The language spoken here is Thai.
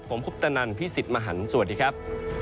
ผมคุปตนันพี่สิทธิ์มหันฯสวัสดีครับ